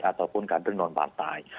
ataupun kader non partai